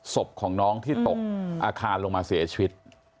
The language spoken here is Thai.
ศพของน้องที่ตกอาคารลงมาเสียชีวิต